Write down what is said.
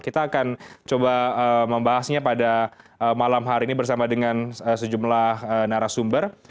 kita akan coba membahasnya pada malam hari ini bersama dengan sejumlah narasumber